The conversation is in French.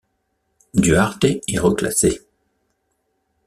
Duarte est reclassée.